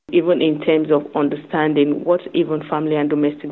bahkan dalam hal memahami apa yang terjadi dengan keluarga dan keguguran domestik